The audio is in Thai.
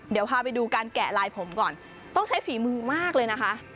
เดี๋ยวพาไปดูการแกะลายผมก่อนต้องใช้ฝีมือมากเลยนะคะ